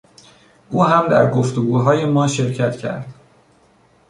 او هم در گفتگوهای ما شرکت کرد.